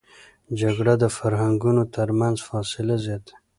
جګړه د فرهنګونو تر منځ فاصله زیاتوي